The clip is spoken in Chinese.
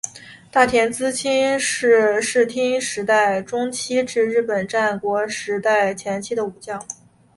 太田资清是室町时代中期至日本战国时代前期的武将。